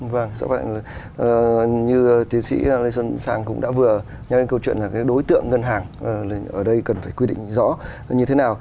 vâng do vậy là như tiến sĩ lê xuân sang cũng đã vừa nhắc đến câu chuyện là cái đối tượng ngân hàng ở đây cần phải quy định rõ như thế nào